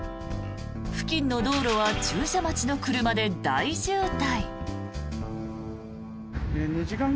付近の道路は駐車待ちの車で大渋滞。